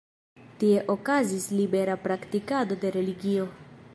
Tie okazis libera praktikado de religio.